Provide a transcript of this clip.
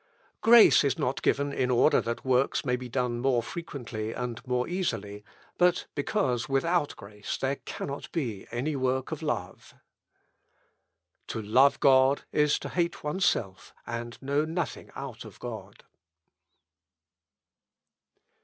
"Grace is not given in order that works may be done more frequently and more easily, but because without grace there cannot be any work of love. "To love God is to hate oneself, and know nothing out of God."